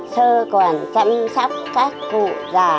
sơ còn chăm sóc các cụ già